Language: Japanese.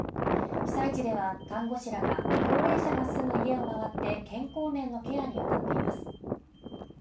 被災地では、看護師らが、高齢者が住む家を回って、健康面のケアにあたっています。